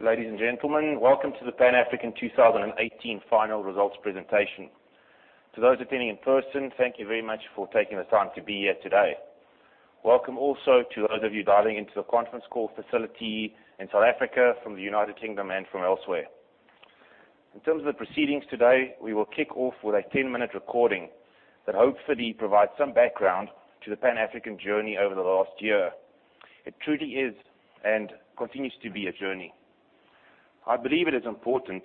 Ladies and gentlemen, welcome to the Pan African 2018 final results presentation. To those attending in person, thank you very much for taking the time to be here today. Welcome also to those of you dialing into the conference call facility in South Africa, from the U.K., and from elsewhere. In terms of the proceedings today, we will kick off with a 10-minute recording that hopefully provides some background to the Pan African journey over the last year. It truly is and continues to be a journey. I believe it is important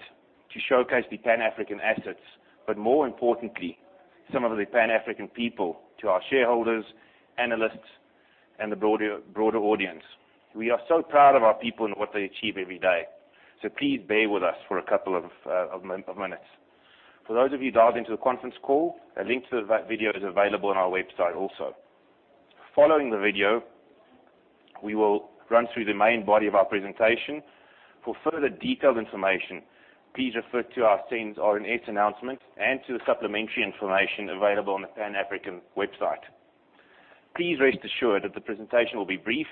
to showcase the Pan African assets, but more importantly, some of the Pan African people to our shareholders, analysts, and the broader audience. We are so proud of our people and what they achieve every day. Please bear with us for a couple of minutes. For those of you dialing into the conference call, a link to that video is available on our website also. Following the video, we will run through the main body of our presentation. For further detailed information, please refer to our SENS and RNS announcement and to the supplementary information available on the Pan African website. Please rest assured that the presentation will be brief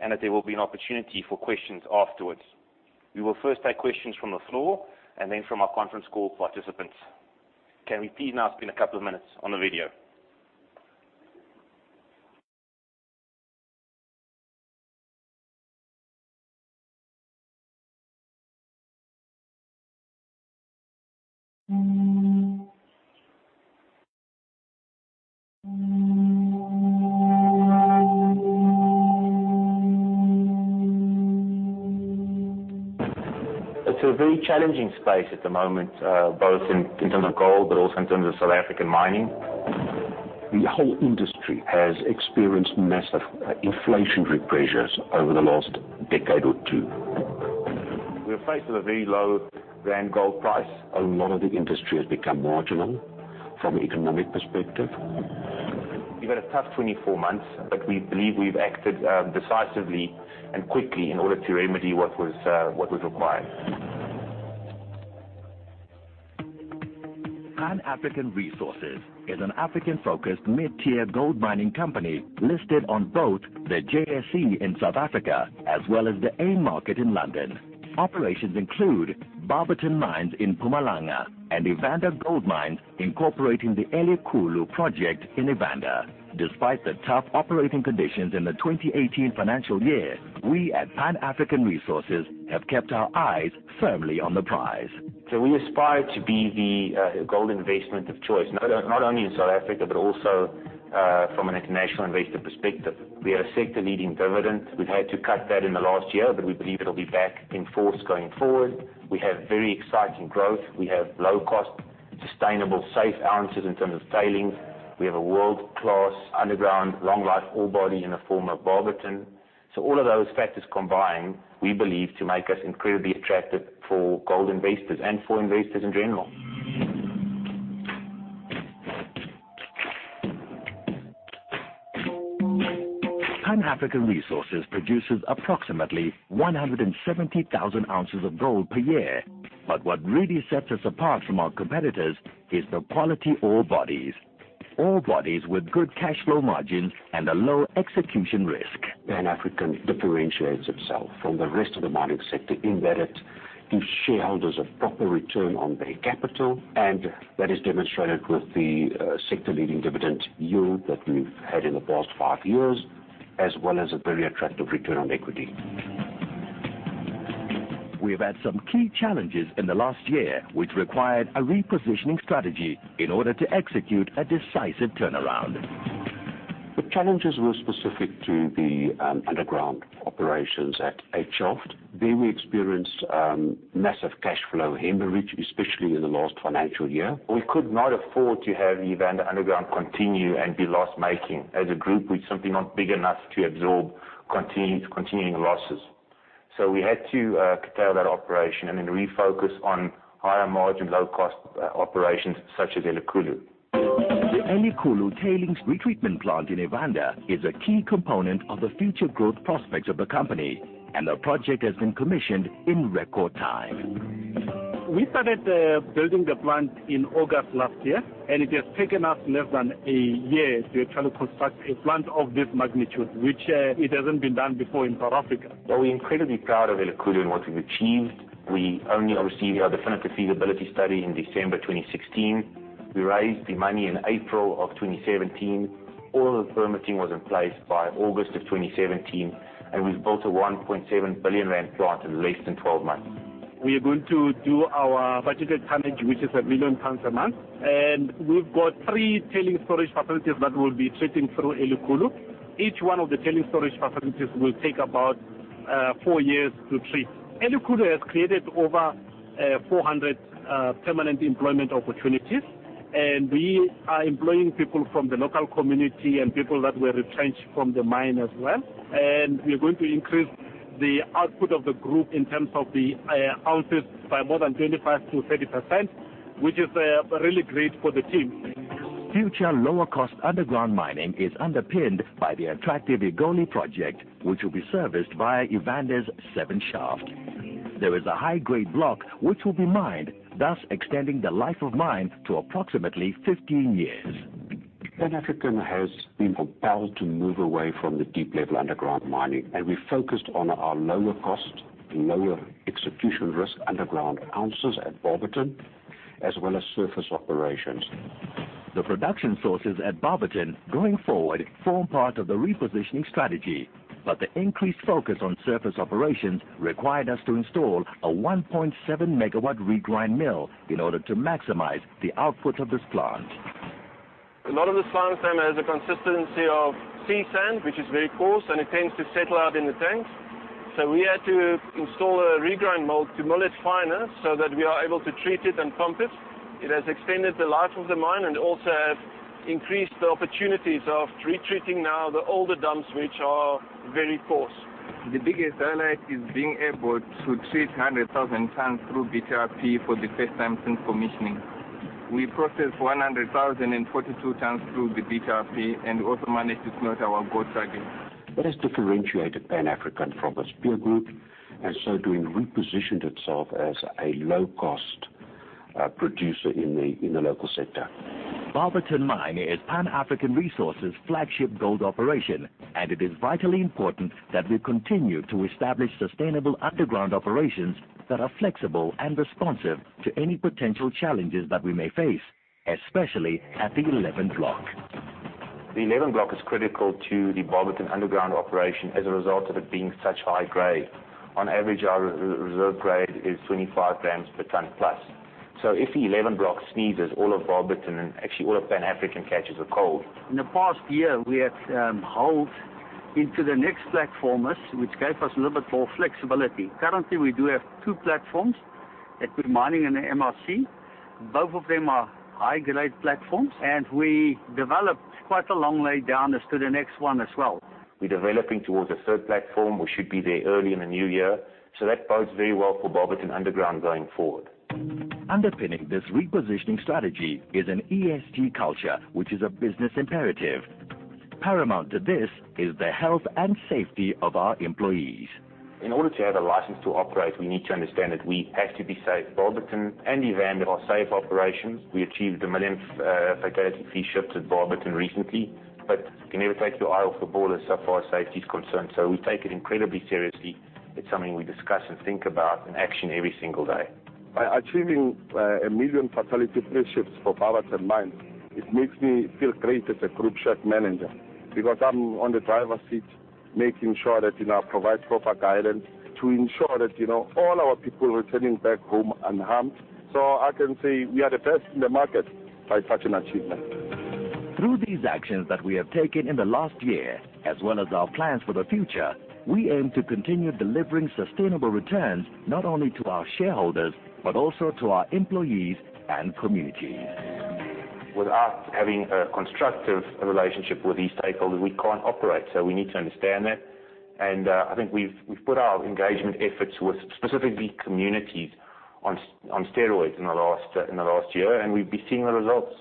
and that there will be an opportunity for questions afterwards. We will first take questions from the floor and then from our conference call participants. Can we please now spend a couple of minutes on the video? It's a very challenging space at the moment, both in terms of gold, but also in terms of South African mining. The whole industry has experienced massive inflationary pressures over the last decade or two. We are faced with a very low gram gold price. A lot of the industry has become marginal from an economic perspective. We've had a tough 24 months, we believe we've acted decisively and quickly in order to remedy what was required. Pan African Resources is an African-focused, mid-tier gold mining company listed on both the JSE in South Africa as well as the AIM market in London. Operations include Barberton Mines in Mpumalanga and Evander Gold Mines, incorporating the Elikhulu project in Evander. Despite the tough operating conditions in the 2018 financial year, we at Pan African Resources have kept our eyes firmly on the prize. We aspire to be the gold investment of choice, not only in South Africa, but also from an international investor perspective. We are a sector-leading dividend. We've had to cut that in the last year, but we believe it'll be back in force going forward. We have very exciting growth. We have low cost, sustainable, safe ounces in terms of tailings. We have a world-class underground long life ore body in the form of Barberton. All of those factors combined, we believe to make us incredibly attractive for gold investors and for investors in general. Pan African Resources produces approximately 170,000 ounces of gold per year. What really sets us apart from our competitors is the quality ore bodies. Ore bodies with good cash flow margins and a low execution risk. Pan African differentiates itself from the rest of the mining sector in that it gives shareholders a proper return on their capital. That is demonstrated with the sector leading dividend yield that we've had in the past five years, as well as a very attractive return on equity. We have had some key challenges in the last year, which required a repositioning strategy in order to execute a decisive turnaround. The challenges were specific to the underground operations at 8 Shaft. There we experienced massive cash flow hemorrhage, especially in the last financial year. We could not afford to have Evander underground continue and be loss-making. As a group, we're simply not big enough to absorb continuing losses. We had to curtail that operation and then refocus on higher margin, low-cost operations such as Elikhulu. The Elikhulu tailings retreatment plant in Evander is a key component of the future growth prospects of the company, and the project has been commissioned in record time. We started building the plant in August last year, and it has taken us less than a year to try to construct a plant of this magnitude, which it hasn't been done before in South Africa. Well, we're incredibly proud of Elikhulu and what we've achieved. We only received our definitive feasibility study in December 2016. We raised the money in April of 2017. All the permitting was in place by August of 2017. We've built a 1.7 billion rand plant in less than 12 months. We are going to do our budgeted tonnage, which is 1 million tons a month, and we've got three tailings storage facilities that will be treating through Elikhulu. Each one of the tailings storage facilities will take about four years to treat. Elikhulu has created over 400 permanent employment opportunities, and we are employing people from the local community and people that were retrenched from the mine as well. We are going to increase the output of the group in terms of the ounces by more than 25%-30%, which is really great for the team. Future lower cost underground mining is underpinned by the attractive Egoli project, which will be serviced by Evander's 7 Shaft. There is a high-grade block which will be mined, thus extending the life of mine to approximately 15 years. Pan African has been compelled to move away from the deep-level underground mining. We focused on our lower cost, lower execution risk underground ounces at Barberton, as well as surface operations. The production sources at Barberton, going forward, form part of the repositioning strategy. The increased focus on surface operations required us to install a 1.7 megawatt regrind mill in order to maximize the output of this plant. A lot of the slime sand has a consistency of sea sand, which is very coarse, and it tends to settle out in the tanks. We had to install a regrind mill to mill it finer so that we are able to treat it and pump it. It has extended the life of the mine and also have increased the opportunities of retreating now the older dumps, which are very coarse. The biggest highlight is being able to treat 100,000 tons through BTRP for the first time since commissioning. We processed 100,042 tons through the BTRP and also managed to meet our gold target. That has differentiated Pan African from its peer group, doing repositioned itself as a low-cost producer in the local sector. Barberton Mine is Pan African Resources' flagship gold operation, it is vitally important that we continue to establish sustainable underground operations that are flexible and responsive to any potential challenges that we may face, especially at the 11 block. The 11 block is critical to the Barberton underground operation as a result of it being such high grade. On average, our reserve grade is 25 grams per ton plus. If the 11 block sneezes, all of Barberton, and actually all of Pan African, catches a cold. In the past year, we have hauled into the next platform, which gave us a little bit more flexibility. Currently, we do have two platforms at (Good Mining) and MRC. Both of them are high-grade platforms, and we developed quite a long laydown as to the next one as well. We are developing towards a third platform. We should be there early in the new year. That bodes very well for Barberton Underground going forward. Underpinning this repositioning strategy is an ESG culture, which is a business imperative. Paramount to this is the health and safety of our employees. In order to have a license to operate, we need to understand that we have to be safe. Barberton and Evander are safe operations. We achieved a million fatality-free shifts at Barberton recently, but you can never take your eye off the ball as far as safety is concerned. We take it incredibly seriously. It's something we discuss and think about and action every single day. By achieving a million fatality-free shifts for Barberton Mine, it makes me feel great as a group shift manager because I'm on the driver's seat, making sure that I provide proper guidance to ensure that all our people are returning back home unharmed. I can say we are the best in the market by such an achievement. Through these actions that we have taken in the last year, as well as our plans for the future, we aim to continue delivering sustainable returns not only to our shareholders, but also to our employees and communities. Without having a constructive relationship with these stakeholders, we can't operate. We need to understand that. I think we've put our engagement efforts with specifically communities on steroids in the last year, and we've been seeing the results.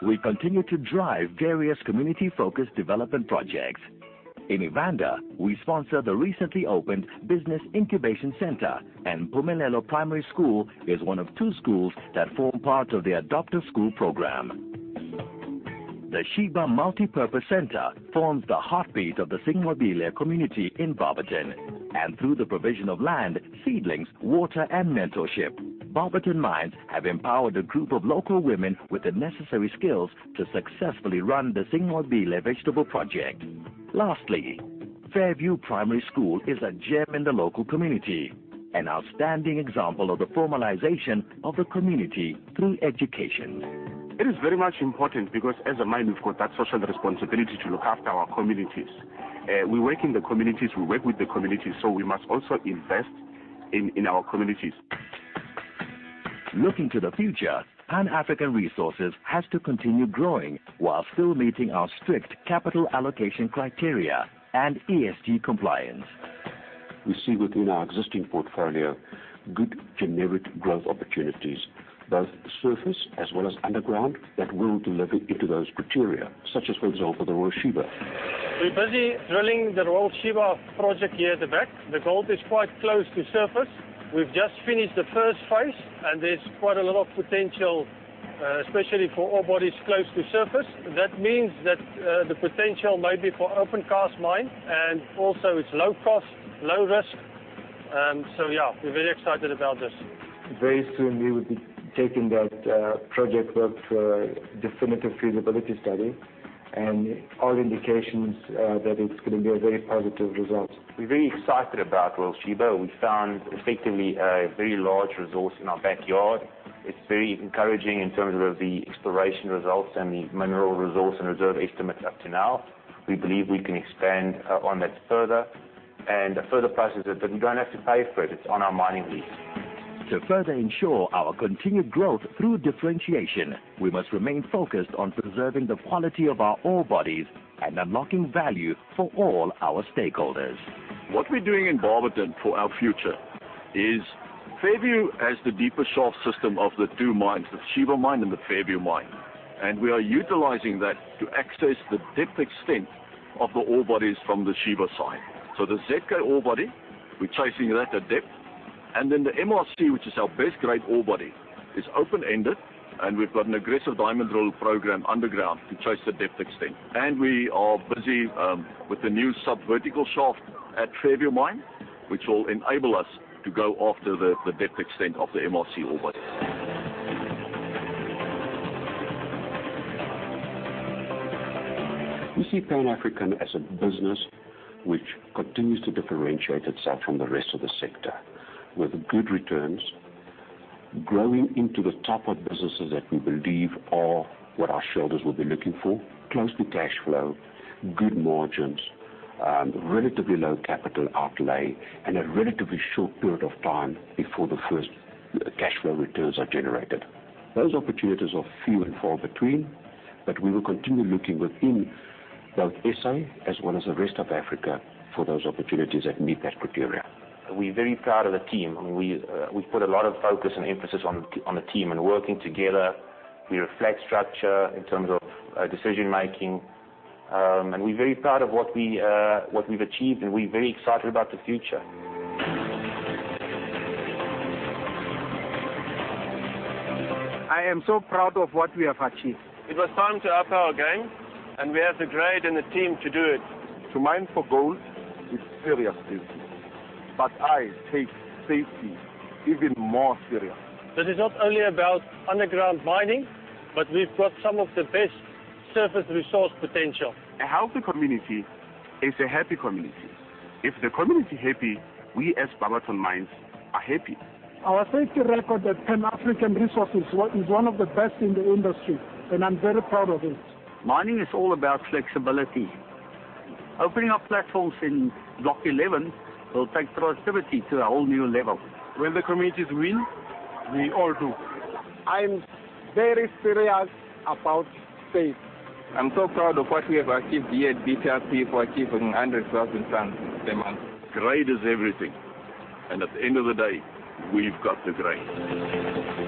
We continue to drive various community-focused development projects. In Evander, we sponsor the recently opened Business Incubation Center, and Mpumelelo Primary School is one of two schools that form part of the Adopt-a-School program. The Sheba Multipurpose Center forms the heartbeat of the Sinqobile community in Barberton. Through the provision of land, seedlings, water, and mentorship, Barberton Mines have empowered a group of local women with the necessary skills to successfully run the Sinqobile Vegetable Project. Lastly, Fairview Primary School is a gem in the local community, an outstanding example of the formalization of the community through education. It is very much important because as a mine, we've got that social responsibility to look after our communities. We work in the communities, we work with the communities, we must also invest in our communities. Looking to the future, Pan African Resources has to continue growing while still meeting our strict capital allocation criteria and ESG compliance. We see within our existing portfolio good generic growth opportunities, both surface as well as underground, that will deliver into those criteria, such as, for example, the Royal Sheba. We're busy drilling the Royal Sheba project here at the back. The gold is quite close to surface. We've just finished the first phase, there's quite a lot of potential, especially for ore bodies close to surface. That means that the potential may be for open cast mine, also it's low cost, low risk. Yeah, we're very excited about this. Very soon we will be taking that project work for a definitive feasibility study, all indications that it's going to be a very positive result. We're very excited about Royal Sheba. We found effectively a very large resource in our backyard. It's very encouraging in terms of the exploration results and the mineral resource and reserve estimates up to now. We believe we can expand on that further a further process is that we don't have to pay for it. It's on our mining lease. To further ensure our continued growth through differentiation, we must remain focused on preserving the quality of our ore bodies and unlocking value for all our stakeholders. What we're doing in Barberton for our future is Fairview has the deepest shaft system of the two mines, the Sheba Mine and the Fairview Mine. We are utilizing that to access the depth extent of the ore bodies from the Sheba side. The ZK ore body, we're chasing that at depth. The MRC, which is our best grade ore body, is open-ended, and we've got an aggressive diamond drill program underground to chase the depth extent. We are busy with the new sub-vertical shaft at Fairview Mine, which will enable us to go after the depth extent of the MRC ore body. We see Pan African as a business which continues to differentiate itself from the rest of the sector, with good returns, growing into the type of businesses that we believe are what our shareholders will be looking for, close to cash flow, good margins, relatively low capital outlay, and a relatively short period of time before the first cash flow returns are generated. Those opportunities are few and far between, but we will continue looking within both S.A. as well as the rest of Africa for those opportunities that meet that criteria. We're very proud of the team, and we've put a lot of focus and emphasis on the team and working together. We're a flat structure in terms of decision-making. We're very proud of what we've achieved, and we're very excited about the future. I am so proud of what we have achieved. It was time to up our game, and we have the grade and the team to do it. To mine for gold is serious business. I take safety even more serious. This is not only about underground mining, but we've got some of the best surface resource potential. A healthy community is a happy community. If the community is happy, we as Barberton Mines are happy. Our safety record at Pan African Resources is one of the best in the industry, and I'm very proud of it. Mining is all about flexibility. Opening up platforms in Block 11 will take productivity to a whole new level. When the communities win, we all do. I'm very serious about safety. I'm so proud of what we have achieved here at BTRP for achieving 100,000 tons a month. Grade is everything. At the end of the day, we've got the grade.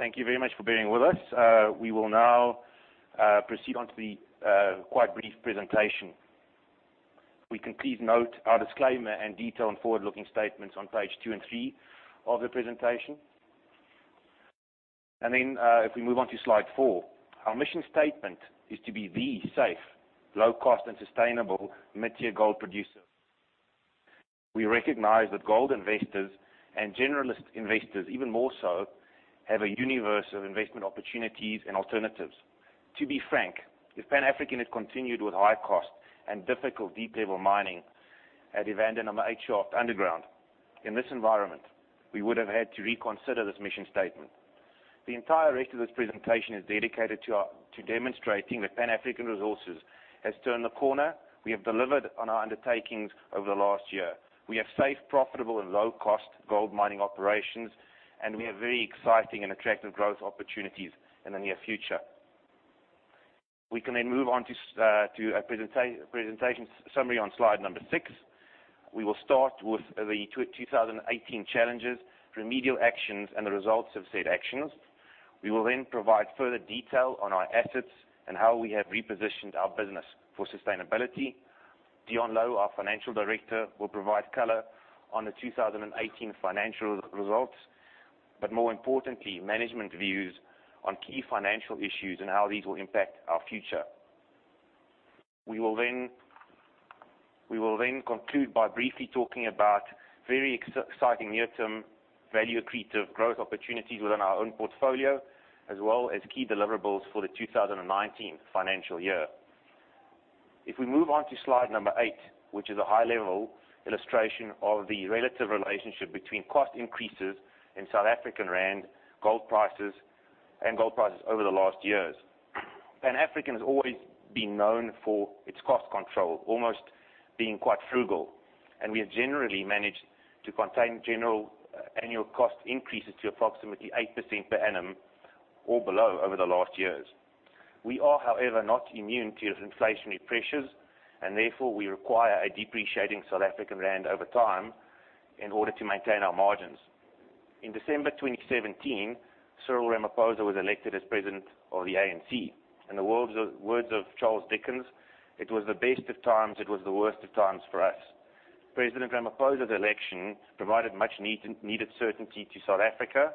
Thank you very much for being with us. We will now proceed on to the quite brief presentation. We can please note our disclaimer and detail on forward-looking statements on page two and three of the presentation. If we move on to slide four, our mission statement is to be the safe, low cost, and sustainable mid-tier gold producer. We recognize that gold investors and generalist investors, even more so, have a universe of investment opportunities and alternatives. To be frank, if Pan African had continued with high cost and difficult deep-level mining at Evander Number 8 Shaft underground, in this environment, we would have had to reconsider this mission statement. The entire rest of this presentation is dedicated to demonstrating that Pan African Resources has turned the corner. We have delivered on our undertakings over the last year. We have safe, profitable, and low-cost gold mining operations, and we have very exciting and attractive growth opportunities in the near future. We can then move on to a presentation summary on slide number six. We will start with the 2018 challenges, remedial actions, and the results of said actions. We will then provide further detail on our assets and how we have repositioned our business for sustainability. Deon Louw, our financial director, will provide color on the 2018 financial results, but more importantly, management views on key financial issues and how these will impact our future. We will then conclude by briefly talking about very exciting near-term value accretive growth opportunities within our own portfolio, as well as key deliverables for the 2019 financial year. We move on to slide number eight, which is a high-level illustration of the relative relationship between cost increases in South African rand, gold prices, and gold prices over the last years. Pan African has always been known for its cost control, almost being quite frugal, and we have generally managed to contain general annual cost increases to approximately 8% per annum or below over the last years. We are, however, not immune to inflationary pressures, and therefore, we require a depreciating South African rand over time in order to maintain our margins. In December 2017, Cyril Ramaphosa was elected as President of the ANC. In the words of Charles Dickens, "It was the best of times, it was the worst of times for us." President Ramaphosa's election provided much needed certainty to South Africa.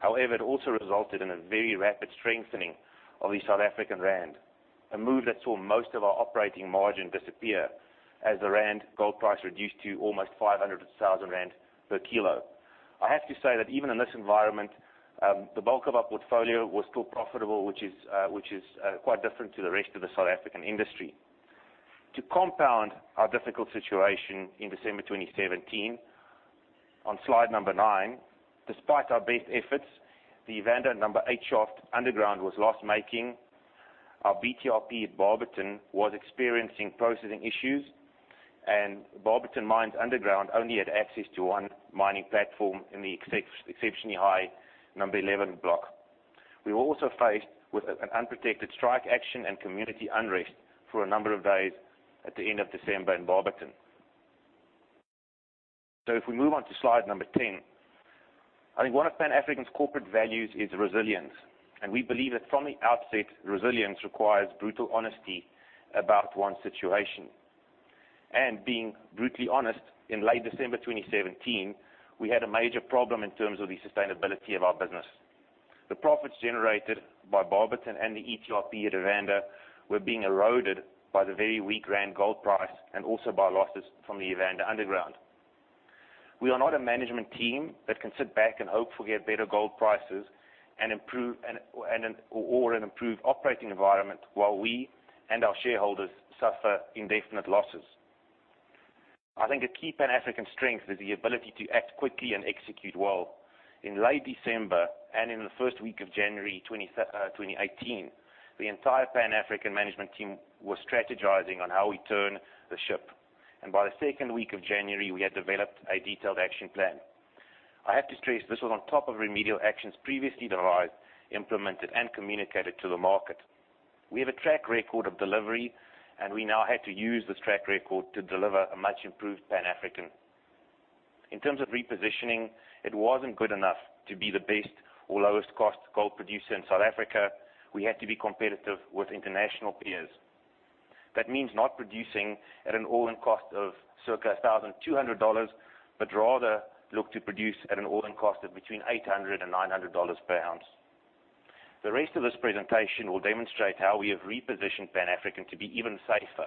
It also resulted in a very rapid strengthening of the South African rand, a move that saw most of our operating margin disappear as the rand gold price reduced to almost 500,000 rand per kilo. I have to say that even in this environment, the bulk of our portfolio was still profitable, which is quite different to the rest of the South African industry. To compound our difficult situation in December 2017, on slide number nine, despite our best efforts, the Evander 8 Shaft underground was lost making. Our BTRP at Barberton was experiencing processing issues, and Barberton Mines' underground only had access to one mining platform in the exceptionally high number 11 block. We were also faced with an unprotected strike action and community unrest for a number of days at the end of December in Barberton. We move on to slide number 10, I think one of Pan African's corporate values is resilience, and we believe that from the outset, resilience requires brutal honesty about one situation. Being brutally honest, in late December 2017, we had a major problem in terms of the sustainability of our business. The profits generated by Barberton and the ETRP at Evander were being eroded by the very weak rand gold price and also by losses from the Evander underground. We are not a management team that can sit back and hope for better gold prices or an improved operating environment while we and our shareholders suffer indefinite losses. I think a key Pan African strength is the ability to act quickly and execute well. In late December and in the 1st week of January 2018, the entire Pan African management team was strategizing on how we turn the ship. By the 2nd week of January, we had developed a detailed action plan. I have to stress this was on top of remedial actions previously devised, implemented, and communicated to the market. We have a track record of delivery, and we now had to use this track record to deliver a much improved Pan African. In terms of repositioning, it wasn't good enough to be the best or lowest cost gold producer in South Africa. We had to be competitive with international peers. That means not producing at an all-in cost of circa $1,200, but rather look to produce at an all-in cost of between $800 and $900 per ounce. The rest of this presentation will demonstrate how we have repositioned Pan African to be even safer,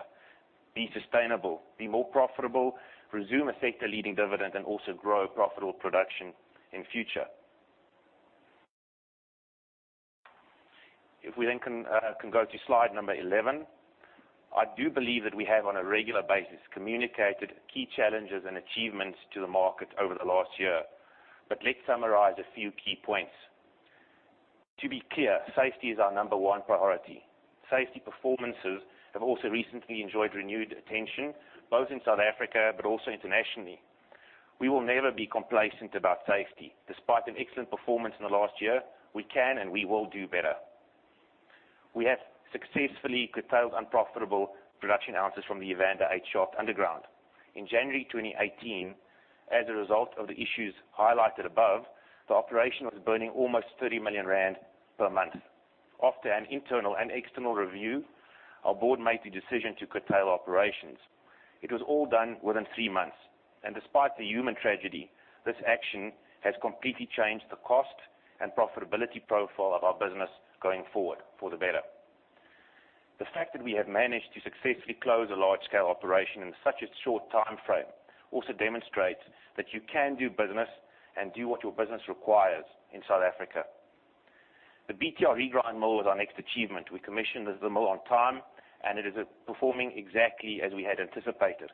be sustainable, be more profitable, resume a sector-leading dividend, and also grow profitable production in future. If we can go to slide number 11, I do believe that we have, on a regular basis, communicated key challenges and achievements to the market over the last year. Let's summarize a few key points. To be clear, safety is our number one priority. Safety performances have also recently enjoyed renewed attention, both in South Africa but also internationally. We will never be complacent about safety. Despite an excellent performance in the last year, we can and we will do better. We have successfully curtailed unprofitable production ounces from the Evander Eight Shaft underground. In January 2018, as a result of the issues highlighted above, the operation was burning almost 30 million rand per month. After an internal and external review, our board made the decision to curtail operations. It was all done within three months. Despite the human tragedy, this action has completely changed the cost and profitability profile of our business going forward for the better. The fact that we have managed to successfully close a large-scale operation in such a short timeframe also demonstrates that you can do business and do what your business requires in South Africa. The BTR regrind mill was our next achievement. We commissioned the mill on time, and it is performing exactly as we had anticipated.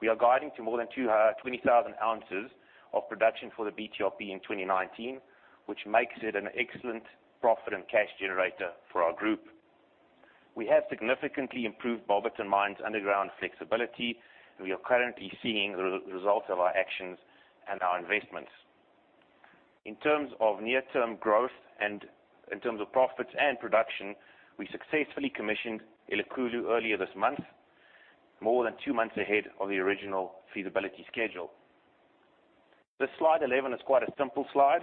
We are guiding to more than 20,000 ounces of production for the BTRP in 2019, which makes it an excellent profit and cash generator for our group. We have significantly improved Barberton Mines' underground flexibility. We are currently seeing the results of our actions and our investments. In terms of near-term growth and in terms of profits and production, we successfully commissioned Elikhulu earlier this month, more than two months ahead of the original feasibility schedule. This slide 11 is quite a simple slide.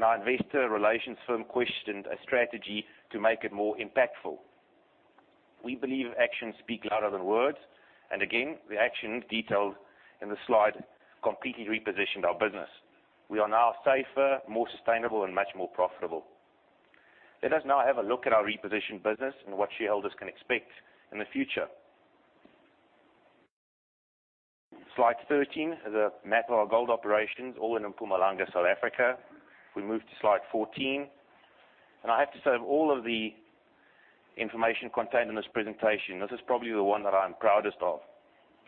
Our investor relations firm questioned a strategy to make it more impactful. We believe actions speak louder than words. Again, the actions detailed in the slide completely repositioned our business. We are now safer, more sustainable, and much more profitable. Let us now have a look at our repositioned business and what shareholders can expect in the future. Slide 13 is a map of our gold operations, all in Mpumalanga, South Africa. Moving to slide 14, I have to say, of all of the information contained in this presentation, this is probably the one that I'm proudest of.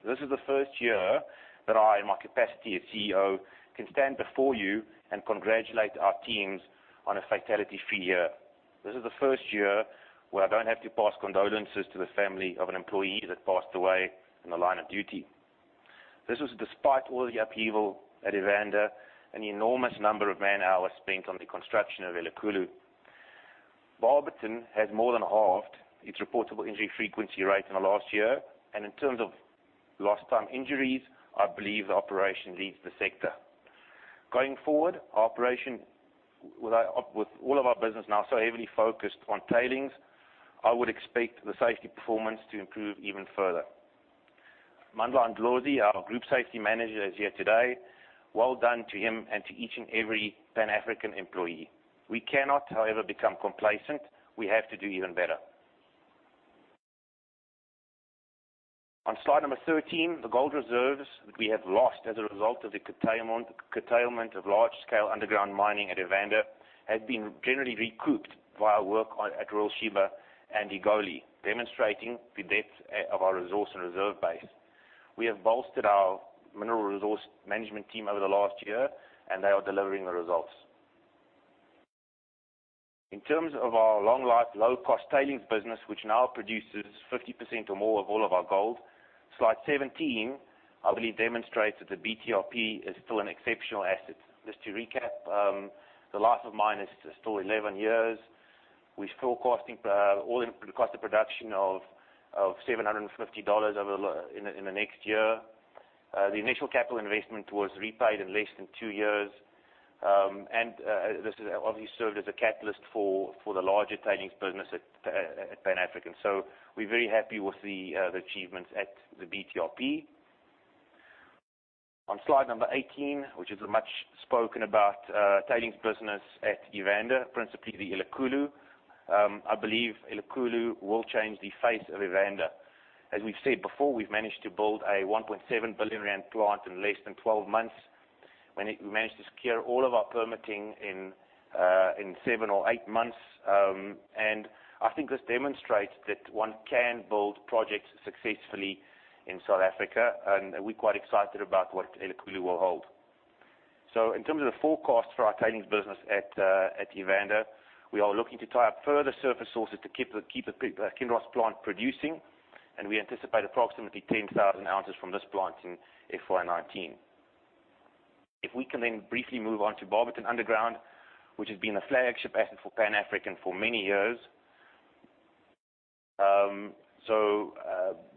This is the first year that I, in my capacity as CEO, can stand before you and congratulate our teams on a fatality-free year. This is the first year where I don't have to pass condolences to the family of an employee that passed away in the line of duty. This was despite all the upheaval at Evander and the enormous number of man-hours spent on the construction of Elikhulu. Barberton has more than halved its reportable injury frequency rate in the last year, in terms of lost time injuries, I believe the operation leads the sector. Going forward, our operation, with all of our business now so heavily focused on tailings, I would expect the safety performance to improve even further. Mandla Ndlozi, our Group Safety Manager, is here today. Well done to him and to each and every Pan African employee. We cannot, however, become complacent. We have to do even better. On slide number 13, the gold reserves that we have lost as a result of the curtailment of large-scale underground mining at Evander has been generally recouped by our work at Royal Sheba and Egoli, demonstrating the depth of our resource and reserve base. We have bolstered our mineral resource management team over the last year, they are delivering the results. In terms of our long-life, low-cost tailings business, which now produces 50% or more of all of our gold, slide 17, I believe, demonstrates that the BTRP is still an exceptional asset. Just to recap, the life of mine is still 11 years. We're still costing all-in cost of production of $750 in the next year. The initial capital investment was repaid in less than two years, this has obviously served as a catalyst for the larger tailings business at Pan African. We're very happy with the achievements at the BTRP. On slide number 18, which is the much spoken about tailings business at Evander, principally the Elikhulu. I believe Elikhulu will change the face of Evander. As we've said before, we've managed to build a 1.7 billion rand plant in less than 12 months, we managed to secure all of our permitting in seven or eight months, I think this demonstrates that one can build projects successfully in South Africa, we're quite excited about what Elikhulu will hold. In terms of the forecast for our tailings business at Evander, we are looking to tie up further surface sources to keep the Kinross plant producing, we anticipate approximately 10,000 ounces from this plant in FY 2019. Moving on to Barberton Underground, which has been a flagship asset for Pan African for many years.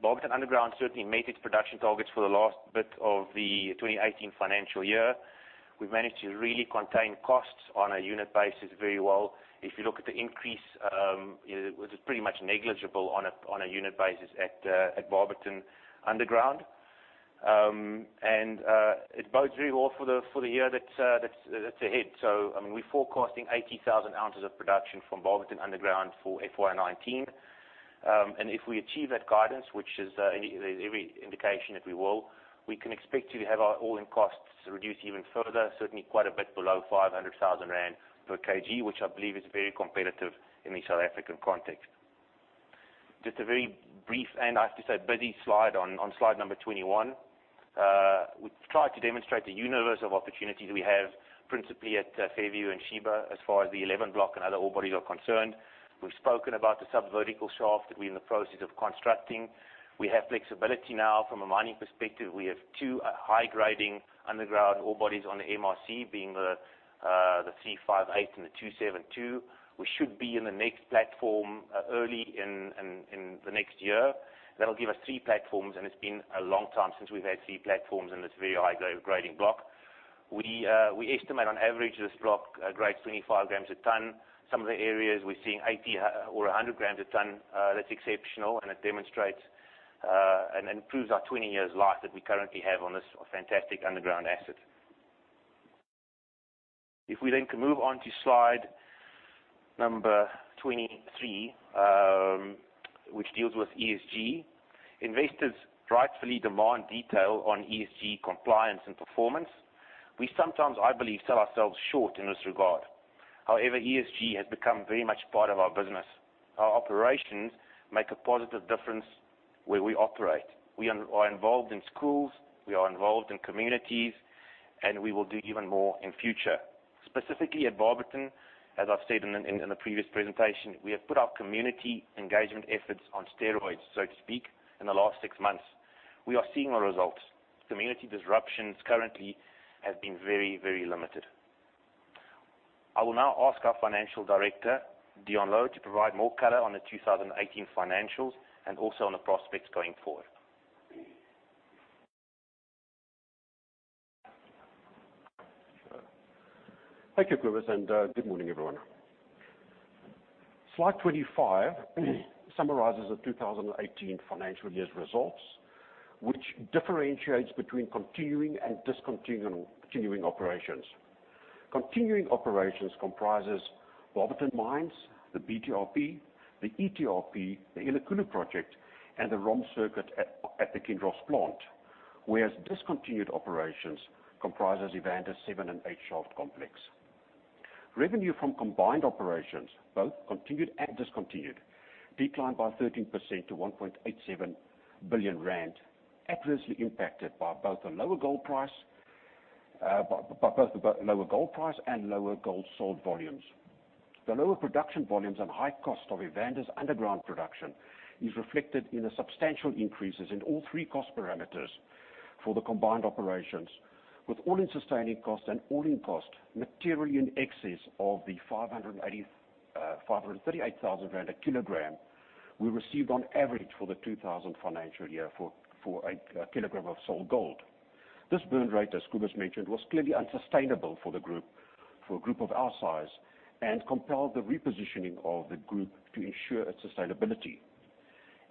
Barberton Underground certainly made its production targets for the last bit of the 2018 financial year. We've managed to really contain costs on a unit basis very well. It bodes very well for the year that's ahead. We're forecasting 80,000 ounces of production from Barberton Underground for FY 2019. If we achieve that guidance, which there's every indication that we will, we can expect to have our all-in costs reduced even further, certainly quite a bit below 500,000 rand per kg, which I believe is very competitive in the South African context. Just a very brief, and I have to say, busy slide on slide number 21. We've tried to demonstrate the universe of opportunities we have, principally at Fairview and Sheba, as far as the 11 Block and other ore bodies are concerned. We've spoken about the sub-vertical shaft that we're in the process of constructing. We have flexibility now. From a mining perspective, we have two high-grading underground ore bodies on the MRC, being the C58 and the 272. We should be in the next platform early in the next year. That will give us three platforms, and it has been a long time since we have had three platforms in this very high-grading block. We estimate on average this block grades 25 grams a tonne. Some of the areas we're seeing 80 or 100 grams a tonne. That is exceptional and it demonstrates and improves our 20 years life that we currently have on this fantastic underground asset. We then can move on to slide number 23, which deals with ESG. Investors rightfully demand detail on ESG compliance and performance. We sometimes, I believe, sell ourselves short in this regard. However, ESG has become very much part of our business. Our operations make a positive difference where we operate. We are involved in schools, we are involved in communities. We will do even more in future. Specifically at Barberton, as I've said in the previous presentation, we have put our community engagement efforts on steroids, so to speak, in the last six months. We are seeing the results. Community disruptions currently have been very limited. I will now ask our financial director, Deon Louw, to provide more color on the 2018 financials and also on the prospects going forward. Thank you, Koos. Good morning, everyone. Slide 25 summarizes the 2018 financial year's results, which differentiates between continuing and discontinuing operations. Continuing operations comprises Barberton Mines, the BTRP, the ETRP, the Elikhulu Project, and the ROM circuit at the Kinross plant, whereas discontinued operations comprises Evander Seven and Eight shaft complex. Revenue from combined operations, both continued and discontinued, declined by 13% to 1.87 billion rand, adversely impacted by both the lower gold price and lower gold sold volumes. The lower production volumes and high cost of Evander's underground production is reflected in the substantial increases in all three cost parameters for the combined operations, with all-in sustaining costs and all-in cost material in excess of the 538,000 rand a kilogram we received on average for the 2000 financial year for a kilogram of sold gold. This burn rate, as Koos mentioned, was clearly unsustainable for a group of our size and compelled the repositioning of the group to ensure its sustainability.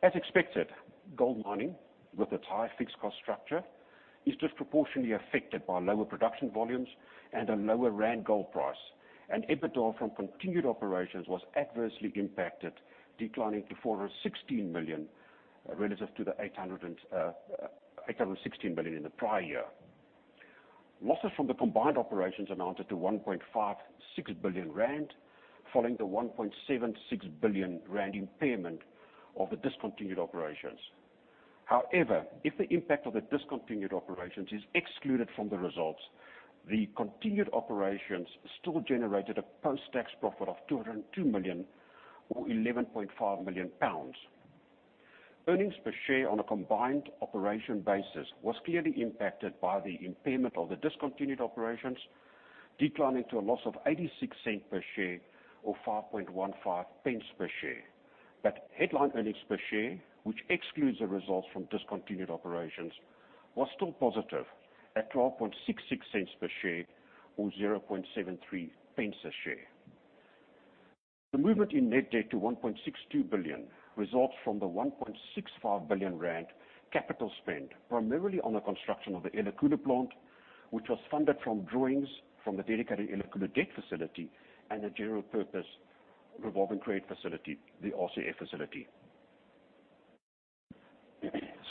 As expected, gold mining, with its high fixed cost structure, is disproportionately affected by lower production volumes and a lower ZAR gold price, and EBITDA from continued operations was adversely impacted, declining to 416 million relative to 816 million in the prior year. Losses from the combined operations amounted to 1.56 billion rand, following the 1.76 billion rand impairment of the discontinued operations. However, if the impact of the discontinued operations is excluded from the results, the continued operations still generated a post-tax profit of 202 million or 11.5 million pounds. Earnings per share on a combined operation basis was clearly impacted by the impairment of the discontinued operations, declining to a loss of 0.86 per share or 0.0515 per share. Headline earnings per share, which excludes the results from discontinued operations, was still positive at 0.1266 per share or 0.0073 a share. The movement in net debt to 1.62 billion results from the 1.65 billion rand capital spend primarily on the construction of the Elikhulu plant, which was funded from drawings from the dedicated Elikhulu debt facility and a general purpose revolving trade facility, the RCF facility.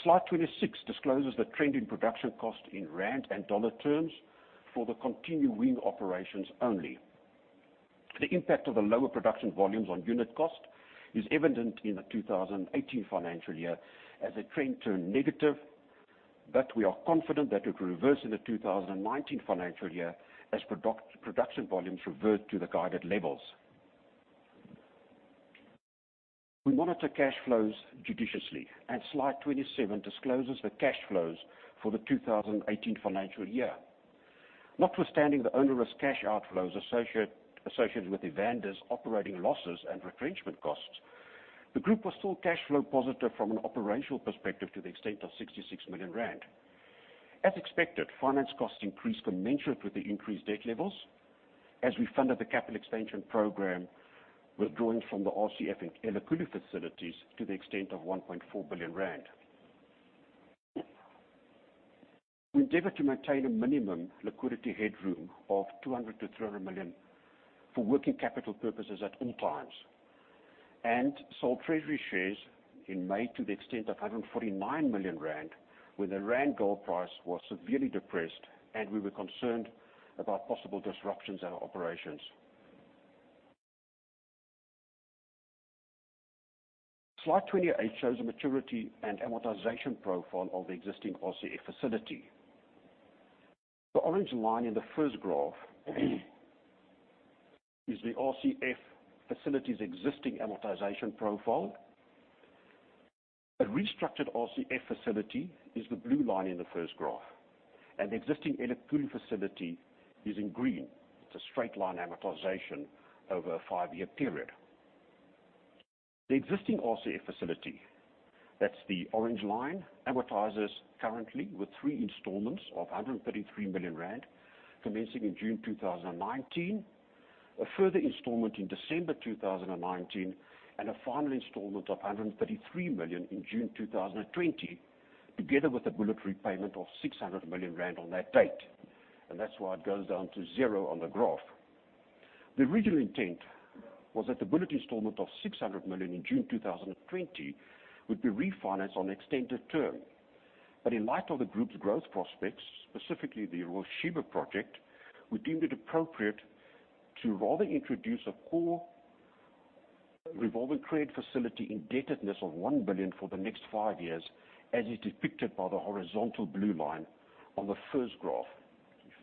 (Slide 26) discloses the trend in production cost in ZAR and USD terms for the continuing operations only. The impact of the lower production volumes on unit cost is evident in the 2018 financial year as the trend turned negative. We are confident that it will reverse in the 2019 financial year as production volumes revert to the guided levels. We monitor cash flows judiciously, slide 27 discloses the cash flows for the 2018 financial year. Notwithstanding the onerous cash outflows associated with Evander's operating losses and retrenchment costs, the group was still cash flow positive from an operational perspective to the extent of 66 million rand. As expected, finance costs increased commensurate with the increased debt levels as we funded the capital expansion program withdrawing from the RCF and Elikhulu facilities to the extent of 1.4 billion rand. We endeavor to maintain a minimum liquidity headroom of 200 million to 300 million for working capital purposes at all times and sold treasury shares in May to the extent of 149 million rand when the ZAR gold price was severely depressed, and we were concerned about possible disruptions at our operations. Slide 28 shows the maturity and amortization profile of the existing RCF facility. The orange line in the first graph is the RCF facility's existing amortization profile. A restructured RCF facility is the blue line in the first graph, and the existing Elikhulu facility is in green. It's a straight line amortization over a five-year period. The existing RCF facility, that's the orange line, amortizes currently with three installments of 133 million rand commencing in June 2019, a further installment in December 2019, and a final installment of 133 million in June 2020, together with a bullet repayment of 600 million rand on that date, and that's why it goes down to zero on the graph. The original intent was that the bullet installment of 600 million in June 2020 would be refinanced on extended term. In light of the group's growth prospects, specifically the Royal Sheba project, we deemed it appropriate to rather introduce a core revolving trade facility indebtedness of 1 billion for the next five years, as is depicted by the horizontal blue line on the first graph.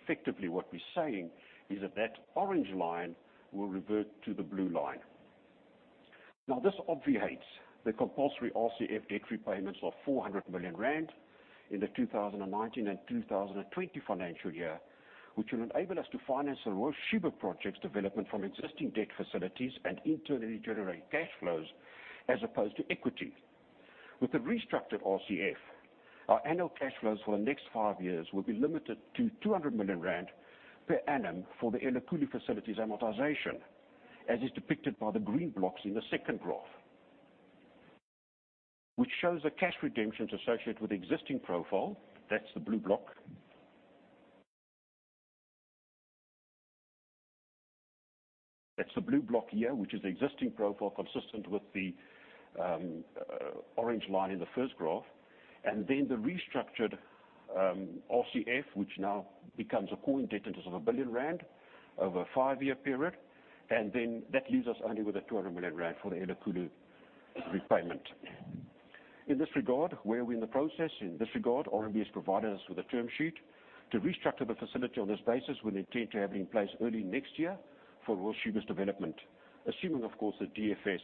Effectively, what we're saying is that that orange line will revert to the blue line. This obviates the compulsory RCF debt repayments of 400 million rand in the FY 2019 and FY 2020 financial year, which will enable us to finance the Royal Sheba project's development from existing debt facilities and internally generate cash flows as opposed to equity. With the restructured RCF, our annual cash flows for the next five years will be limited to 200 million rand per annum for the Elikhulu facility's amortization, as is depicted by the green blocks in the second graph, which shows the cash redemptions associated with the existing profile. That's the blue block here, which is the existing profile consistent with the orange line in the first graph. The restructured RCF, which now becomes a core indebtedness of 1 billion rand over a five-year period. That leaves us only with the 200 million rand for the Elikhulu repayment. In this regard, RMB has provided us with a term sheet to restructure the facility on this basis. We'll intend to have it in place early next year for Royal Sheba's development, assuming, of course, the DFS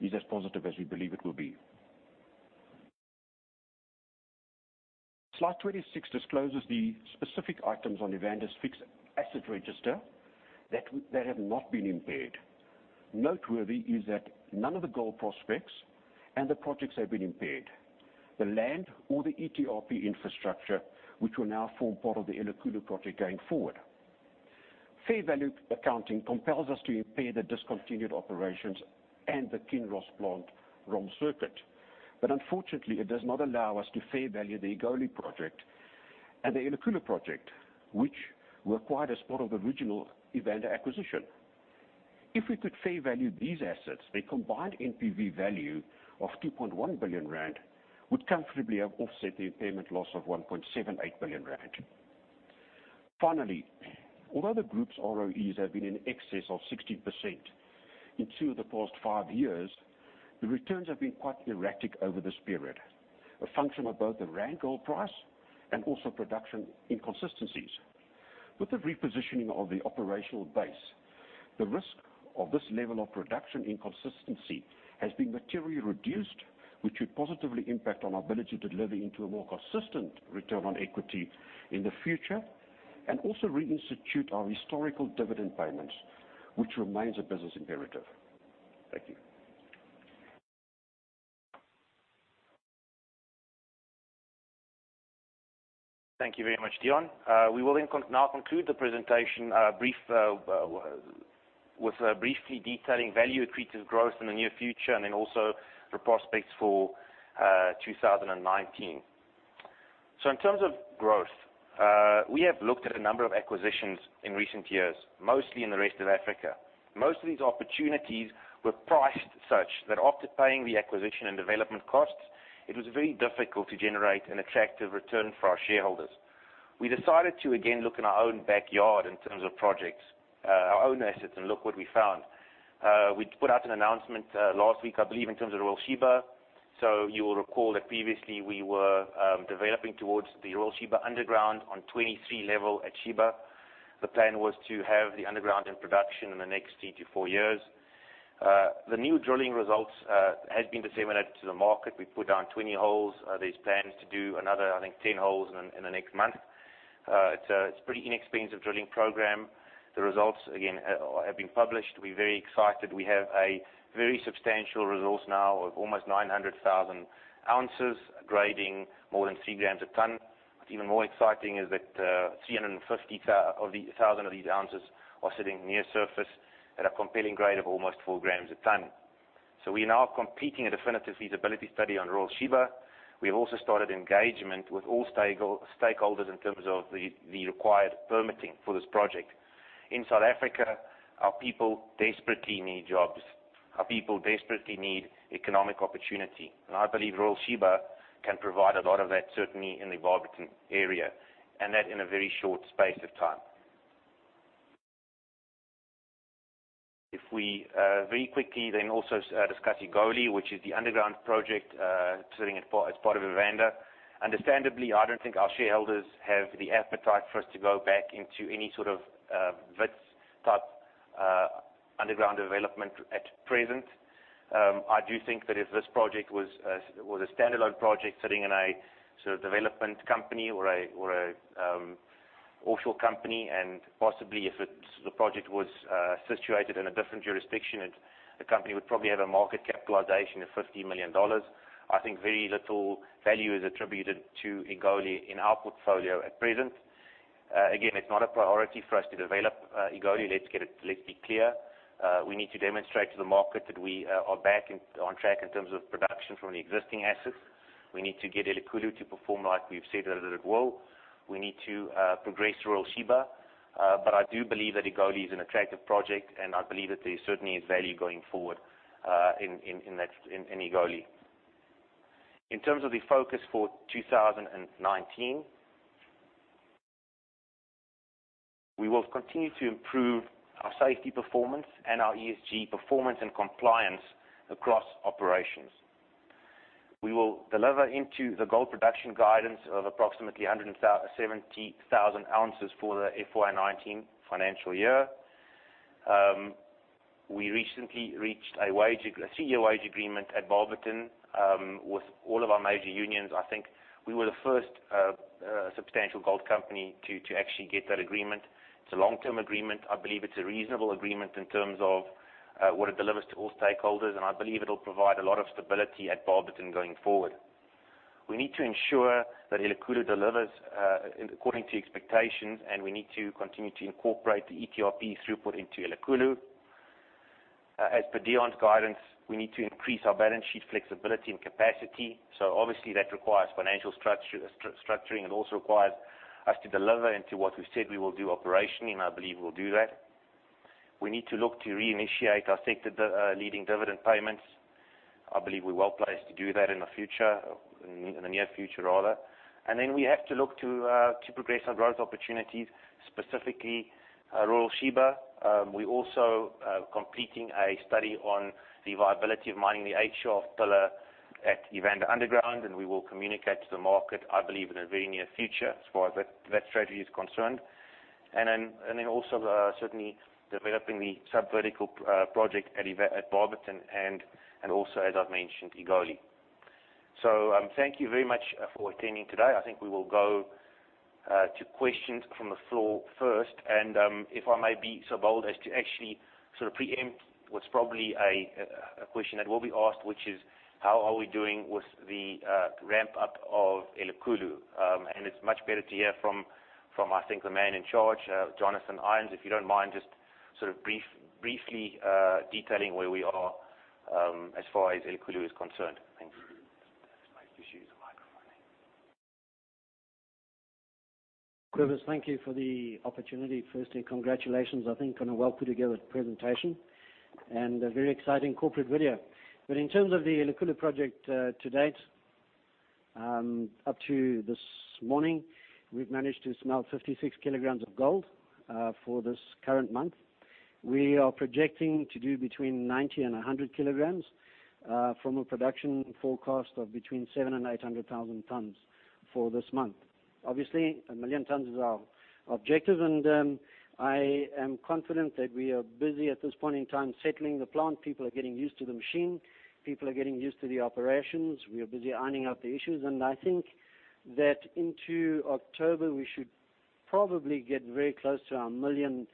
is as positive as we believe it will be. (Slide 26) discloses the specific items on Evander's fixed asset register that have not been impaired. Noteworthy is that none of the gold prospects and the projects have been impaired. The land or the ETRP infrastructure, which will now form part of the Elikhulu project going forward. Fair value accounting compels us to impair the discontinued operations and the Kinross plant ROM circuit. Unfortunately, it does not allow us to fair value the Egoli project and the Elikhulu project, which were acquired as part of the original Evander acquisition. If we could fair value these assets, their combined NPV value of 2.1 billion rand would comfortably have offset the impairment loss of 1.78 billion rand. Finally, although the group's ROEs have been in excess of 60% in two of the past five years, the returns have been quite erratic over this period, a function of both the ZAR gold price and also production inconsistencies. With the repositioning of the operational base, the risk of this level of production inconsistency has been materially reduced, which would positively impact on our ability to deliver into a more consistent return on equity in the future, also reinstitute our historical dividend payments, which remains a business imperative. Thank you. Thank you very much, Deon. We will now conclude the presentation with briefly detailing value accretive growth in the near future and the prospects for 2019. In terms of growth, we have looked at a number of acquisitions in recent years, mostly in the rest of Africa. Most of these opportunities were priced such that after paying the acquisition and development costs, it was very difficult to generate an attractive return for our shareholders. We decided to again look in our own backyard in terms of projects, our own assets, and look what we found. We put out an announcement last week, I believe, in terms of Royal Sheba. You will recall that previously we were developing towards the Royal Sheba underground on level 23 at Sheba. The plan was to have the underground in production in the next three to four years. The new drilling results has been disseminated to the market. We put down 20 holes. There's plans to do another, I think, 10 holes in the next month. It's a pretty inexpensive drilling program. The results again have been published. We're very excited. We have a very substantial resource now of almost 900,000 ounces, grading more than 3 grams a ton. What's even more exciting is that 350,000 of these ounces are sitting near surface at a compelling grade of almost 4 grams a ton. We are now completing a definitive feasibility study on Royal Sheba. We have also started engagement with all stakeholders in terms of the required permitting for this project. In South Africa, our people desperately need jobs. Our people desperately need economic opportunity, and I believe Royal Sheba can provide a lot of that, certainly in the Barberton area, and that in a very short space of time. If we very quickly then also discuss Egoli, which is the underground project sitting as part of Evander. Understandably, I don't think our shareholders have the appetite for us to go back into any sort of VMS type underground development at present. I do think that if this project was a standalone project sitting in a sort of development company or an offshore company, and possibly if the project was situated in a different jurisdiction, the company would probably have a market capitalization of ZAR 50 million. I think very little value is attributed to Egoli in our portfolio at present. Again, it's not a priority for us to develop Egoli, let's be clear. We need to demonstrate to the market that we are back on track in terms of production from the existing assets. We need to get Elikhulu to perform like we've said that it will. We need to progress Royal Sheba. I do believe that Egoli is an attractive project, and I believe that there certainly is value going forward in Egoli. In terms of the focus for 2019, we will continue to improve our safety performance and our ESG performance and compliance across operations. We will deliver into the gold production guidance of approximately 170,000 ounces for the FY 2019 financial year. We recently reached a three-year wage agreement at Barberton with all of our major unions. I think we were the first substantial gold company to actually get that agreement. It's a long-term agreement. I believe it's a reasonable agreement in terms of what it delivers to all stakeholders, I believe it'll provide a lot of stability at Barberton going forward. We need to ensure that Elikhulu delivers according to expectations, we need to continue to incorporate the ETRP throughput into Elikhulu. As per Deon's guidance, we need to increase our balance sheet flexibility and capacity. Obviously that requires financial structuring and also requires us to deliver into what we've said we will do operationally, I believe we'll do that. We need to look to reinitiate our sector leading dividend payments. I believe we're well placed to do that in the future, in the near future, rather. Then we have to look to progress our growth opportunities, specifically Royal Sheba. We're also completing a study on the viability of mining the 8 Shaft pillar at Evander Underground, we will communicate to the market, I believe, in the very near future as far as that strategy is concerned. Then also certainly developing the sub-vertical project at Barberton and also, as I've mentioned, Egoli. Thank you very much for attending today. I think we will go to questions from the floor first. If I may be so bold as to actually sort of preempt what's probably a question that will be asked, which is, how are we doing with the ramp-up of Elikhulu? It's much better to hear from, I think the man in charge, Jonathan Irons. If you don't mind just sort of briefly detailing where we are as far as Elikhulu is concerned. Thanks. Just might have to use a microphone. Cobus, thank you for the opportunity. Firstly, congratulations. I think on a well put together presentation and a very exciting corporate video. In terms of the Elikhulu project to date Up to this morning, we've managed to smelt 56 kilograms of gold for this current month. We are projecting to do between 90 and 100 kilograms from a production forecast of between 700,000 and 800,000 tons for this month. Obviously, 1 million tons is our objective, I am confident that we are busy at this point in time settling the plant. People are getting used to the machine. People are getting used to the operations. We are busy ironing out the issues, I think that into October, we should probably get very close to our 1 million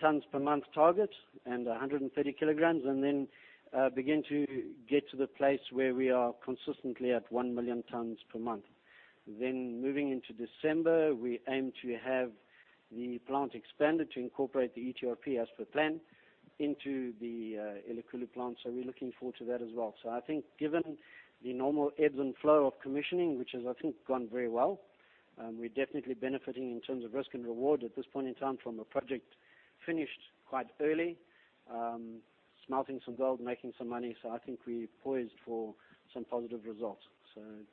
tons per month target and 130 kilograms, then begin to get to the place where we are consistently at 1 million tons per month. Moving into December, we aim to have the plant expanded to incorporate the ETRP as per plan into the Elikhulu plant. We're looking forward to that as well. I think given the normal ebbs and flow of commissioning, which has, I think, gone very well, we're definitely benefiting in terms of risk and reward at this point in time from a project finished quite early, smelting some gold, making some money. I think we're poised for some positive results.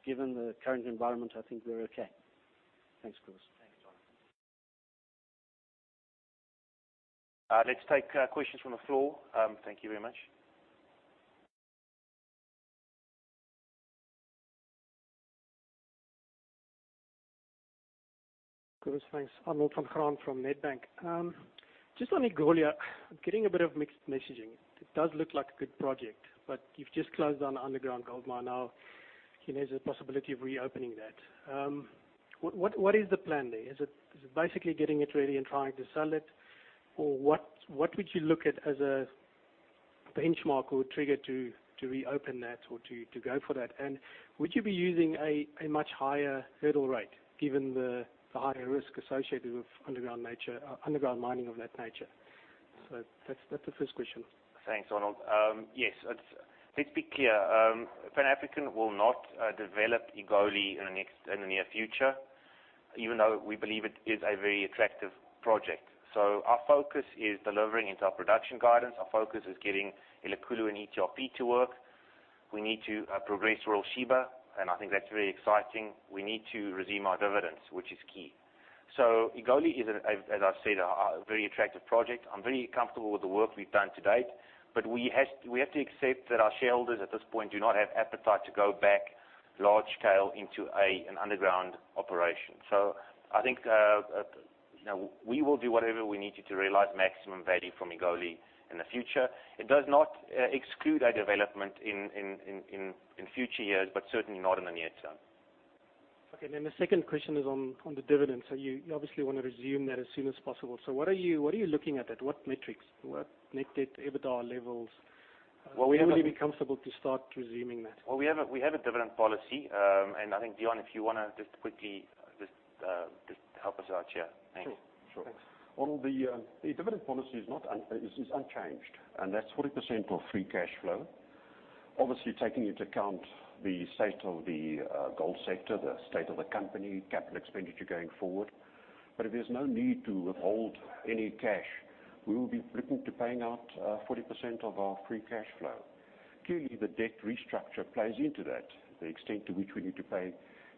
Given the current environment, I think we're okay. Thanks, Cobus. Thanks, John. Let's take questions from the floor. Thank you very much. Cobus, thanks. Arnold van Graan from Nedbank. Just on Egoli, I'm getting a bit of mixed messaging. It does look like a good project, you've just closed down an underground gold mine now. There's a possibility of reopening that. What is the plan there? Is it basically getting it ready and trying to sell it? What would you look at as a benchmark or trigger to reopen that or to go for that? Would you be using a much higher hurdle rate given the higher risk associated with underground mining of that nature? That's the first question. Thanks, Arnold. Yes. Let's be clear. Pan African will not develop Egoli in the near future, even though we believe it is a very attractive project. Our focus is delivering into our production guidance. Our focus is getting Elikhulu and ETRP to work. We need to progress Royal Sheba, I think that's very exciting. We need to resume our dividends, which is key. Egoli is, as I've said, a very attractive project. I'm very comfortable with the work we've done to date, we have to accept that our shareholders, at this point, do not have appetite to go back large scale into an underground operation. I think we will do whatever we need to realize maximum value from Egoli in the future. It does not exclude a development in future years, but certainly not in the near term. Okay. The second question is on the dividend. You obviously want to resume that as soon as possible. What are you looking at? What metrics? What net debt, EBITDA levels? Well, we have. When will you be comfortable to start resuming that? Well, we have a dividend policy. I think, Deon, if you wanna just quickly just help us out here. Thanks. Sure. Thanks. Arnold, the dividend policy is unchanged, that's 40% of free cash flow. Obviously, taking into account the state of the gold sector, the state of the company, capital expenditure going forward. If there's no need to withhold any cash, we will be looking to paying out 40% of our free cash flow. Clearly, the debt restructure plays into that, the extent to which we need to pay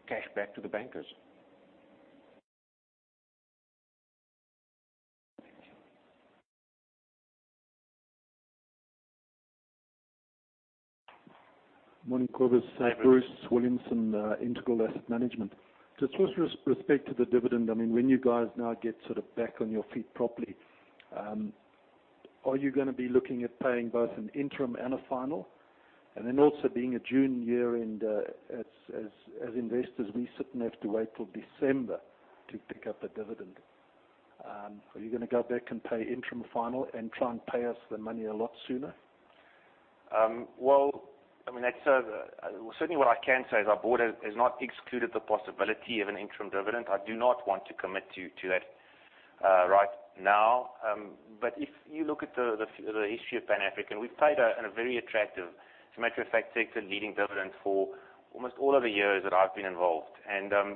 cash back to the bankers. Thank you. Morning, Cobus. Hi. Bruce Williamson, Integral Asset Management. Just with respect to the dividend, when you guys now get sort of back on your feet properly, are you gonna be looking at paying both an interim and a final? Then also being a June year end, as investors, we certainly have to wait till December to pick up a dividend. Are you gonna go back and pay interim and final and try and pay us the money a lot sooner? Certainly, what I can say is our board has not excluded the possibility of an interim dividend. I do not want to commit to that right now. If you look at the history of Pan African, we've paid a very attractive, as a matter of fact, sector-leading dividend for almost all of the years that I've been involved.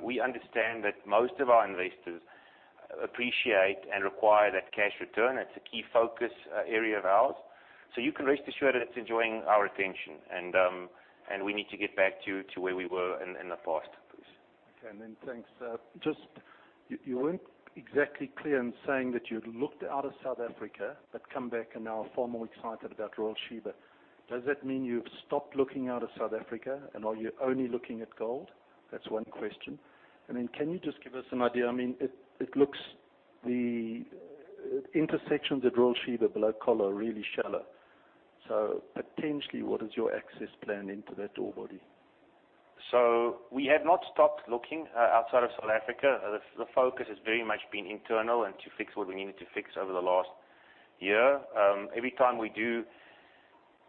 We understand that most of our investors appreciate and require that cash return. It's a key focus area of ours. You can rest assured that it's enjoying our attention, and we need to get back to where we were in the past, Bruce. Thanks. You weren't exactly clear in saying that you'd looked out of South Africa but come back and are far more excited about Royal Sheba. Does that mean you've stopped looking out of South Africa and are you only looking at gold? That's one question. Can you just give us an idea, it looks the intersections at Royal Sheba below collar are really shallow. Potentially, what is your access plan into that ore body? We have not stopped looking outside of South Africa. The focus has very much been internal and to fix what we needed to fix over the last year. Every time we do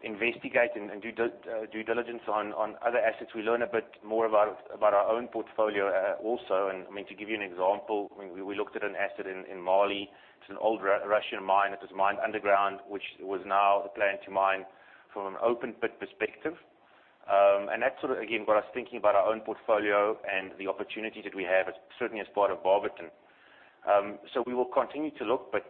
investigate and do due diligence on other assets, we learn a bit more about our own portfolio also. To give you an example, we looked at an asset in Mali. It's an old Russian mine. It was mined underground, which was now the plan to mine from an open pit perspective. That sort of, again, got us thinking about our own portfolio and the opportunities that we have certainly as part of Barberton. We will continue to look, but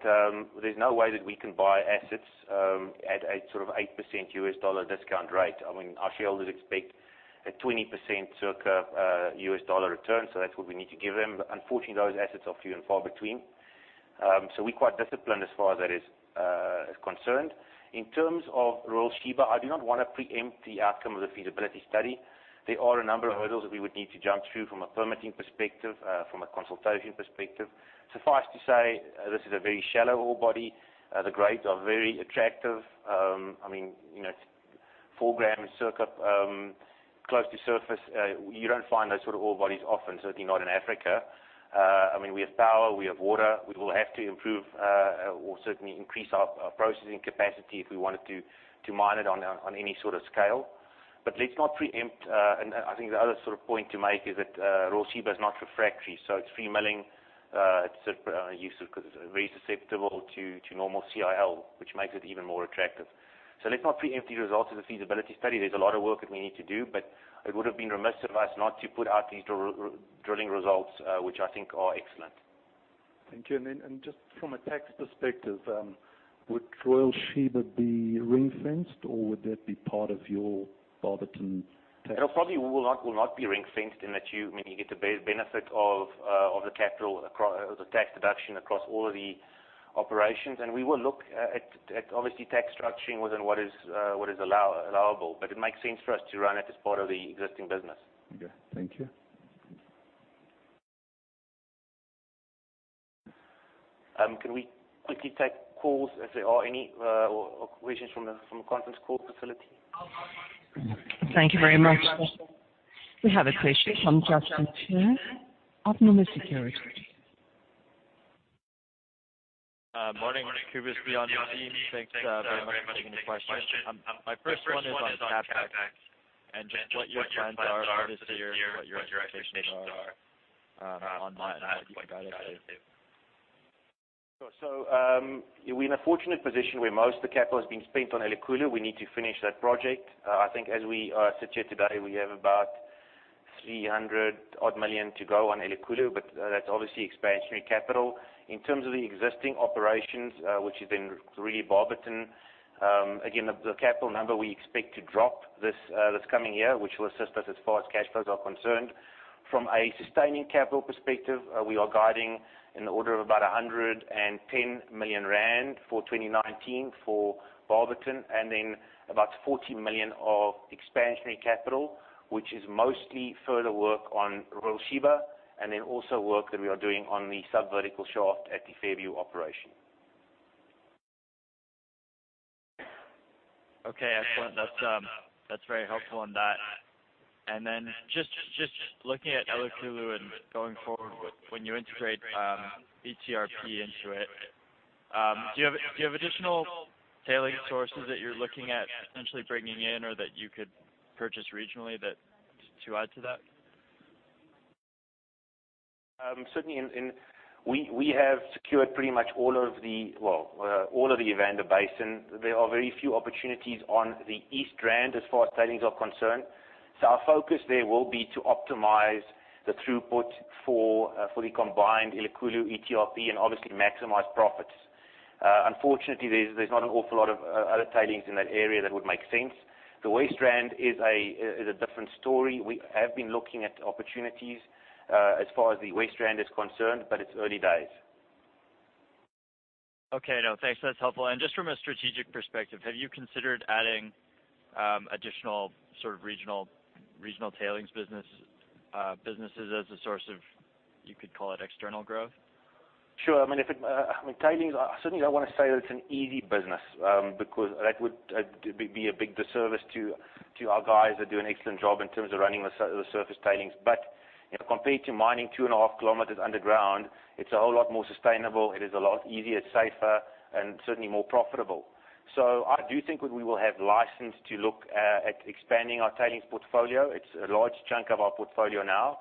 there's no way that we can buy assets at an 8% USD discount rate. Our shareholders expect a 20% circa USD return, that's what we need to give them. Unfortunately, those assets are few and far between. We're quite disciplined as far as that is concerned. In terms of Royal Sheba, I do not want to preempt the outcome of the feasibility study. There are a number of hurdles that we would need to jump through from a permitting perspective, from a consultation perspective. Suffice to say, this is a very shallow ore body. The grades are very attractive. Four grams circa close to surface, you don't find those sort of ore bodies often, certainly not in Africa. We have power, we have water. We will have to improve or certainly increase our processing capacity if we wanted to mine it on any sort of scale. Let's not preempt. I think the other point to make is that Royal Sheba is not refractory, so it's free milling. It's very susceptible to normal CIL, which makes it even more attractive. Let's not preempt the results of the feasibility study. There's a lot of work that we need to do, it would have been remiss of us not to put out these drilling results, which I think are excellent. Thank you. Then just from a tax perspective, would Royal Sheba be ring-fenced, or would that be part of your Barberton tax? It probably will not be ring-fenced in that you get the benefit of the tax deduction across all of the operations. We will look at, obviously, tax structuring within what is allowable. It makes sense for us to run it as part of the existing business. Okay. Thank you. Can we quickly take calls if there are any, or questions from the conference call facility? Thank you very much. We have a question from Justin Chen of Nomura Securities. Morning. Cobus, beyond the team. Thanks very much for taking the question. My first one is on CapEx and just what your plans are for this year and what your expectations are on that and what you can guide us to. Sure. We're in a fortunate position where most of the capital has been spent on Elikhulu. We need to finish that project. I think as we sit here today, we have about 300 million-odd to go on Elikhulu, but that's obviously expansionary capital. In terms of the existing operations, which is in really Barberton, again, the capital number we expect to drop this coming year, which will assist us as far as cash flows are concerned. From a sustaining capital perspective, we are guiding in the order of about 110 million rand for 2019 for Barberton, and then about 40 million of expansionary capital, which is mostly further work on Royal Sheba, and then also work that we are doing on the sub-vertical shaft at the Fairview operation. Okay, excellent. That's very helpful on that. Then just looking at Elikhulu and going forward, when you integrate ETRP into it, do you have additional tailings sources that you're looking at potentially bringing in or that you could purchase regionally to add to that? Certainly. We have secured pretty much all of the Evander Basin. There are very few opportunities on the East Rand as far as tailings are concerned. Our focus there will be to optimize the throughput for the combined Elikhulu ETRP and obviously maximize profits. Unfortunately, there's not an awful lot of other tailings in that area that would make sense. The West Rand is a different story. We have been looking at opportunities as far as the West Rand is concerned, it's early days. Okay. No, thanks. That's helpful. Just from a strategic perspective, have you considered adding additional regional tailings businesses as a source of, you could call it external growth? Sure. Tailings, certainly I don't want to say that it's an easy business, because that would be a big disservice to our guys that do an excellent job in terms of running the surface tailings. Compared to mining two and a half kilometers underground, it's a whole lot more sustainable. It is a lot easier, safer, and certainly more profitable. I do think we will have license to look at expanding our tailings portfolio. It's a large chunk of our portfolio now.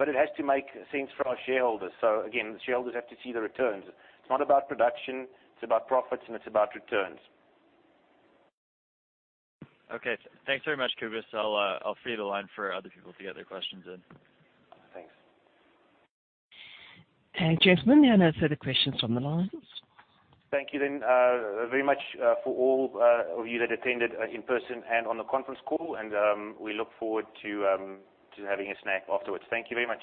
It has to make sense for our shareholders. Again, the shareholders have to see the returns. It's not about production, it's about profits, and it's about returns. Okay. Thanks very much, Cobus. I'll free the line for other people to get their questions in. Thanks. Thanks, gentlemen. I'll take the questions from the lines. Thank you very much for all of you that attended in person and on the conference call, we look forward to having a snack afterwards. Thank you very much.